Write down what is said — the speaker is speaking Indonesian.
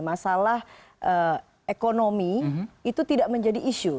masalah ekonomi itu tidak menjadi isu